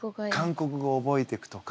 韓国語を覚えていくとか。